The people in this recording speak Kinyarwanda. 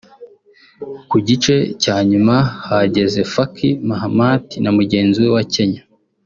Ku gice cya nyuma hageze Faki Mahamat na mugenzi we wa Kenya